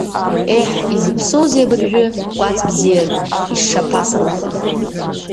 Еҳ, изыԥсоузеи абыржәы кәац бзиак, ишшаԥасалаха…